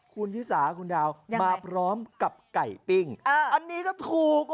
คุณชิสาคุณดาวมาพร้อมกับไก่ปิ้งอันนี้ก็ถูก